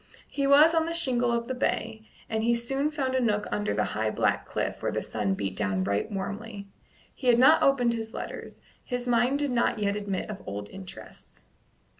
He was on the shingle of the bay, and he soon found a nook under a high black cliff where the sun beat down right warmly. He had not opened his letters; his mind did not yet admit of old interests.